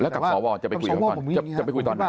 แล้วกับสวจะไปคุยกันตอนนี้